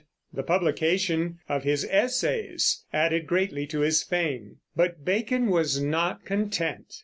The publication of his Essays added greatly to his fame; but Bacon was not content.